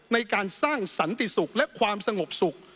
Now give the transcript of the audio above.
ในการสร้างสันติศุกร์และความสงบศุกร์